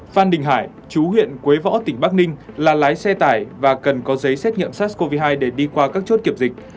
phan đình hải chú huyện quế võ tỉnh bắc ninh là lái xe tải và cần có giấy xét nghiệm sars cov hai để đi qua các chốt kiểm dịch